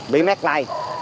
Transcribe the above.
bị mắc lại